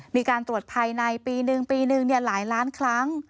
มีการตรวจภายในปีหนึ่งปีหนึ่งหลายล้านครั้ง